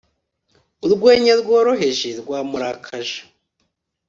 Urwenya rworoheje rwamurakaje